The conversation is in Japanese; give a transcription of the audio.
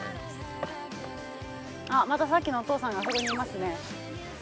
またさっきのお父さんがあそこにいますね。